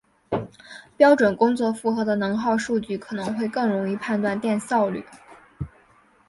标准工作负荷的能耗数据可能会更容易判断电效率。